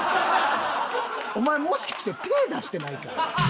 お前もしかして手ぇ出してないか？